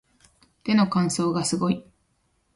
手の乾燥がすごい